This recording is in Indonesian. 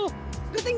menilai lambat iya teh